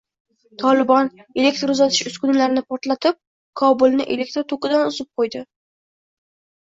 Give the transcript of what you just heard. “Tolibon” elektr uzatish ustunlarini portlatib, Kobulni elektr tokidan uzib qo‘ydi